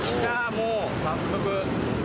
もう早速。